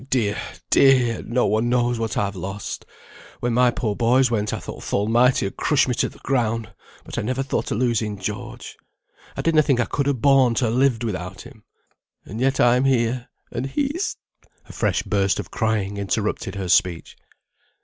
"Eh, dear, dear! No one knows what I've lost. When my poor boys went, I thought th' Almighty had crushed me to th' ground, but I never thought o' losing George; I did na think I could ha' borne to ha' lived without him. And yet I'm here, and he's " A fresh burst of crying interrupted her speech.